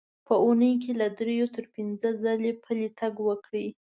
په اوونۍ کې له درې تر پنځه ځله پلی تګ وکړئ.